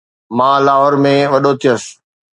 مان لاهور ۾ وڏو ٿيس